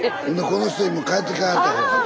この人今帰ってきはったから。